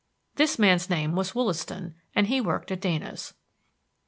This man's name was Wollaston, and he worked at Dana's.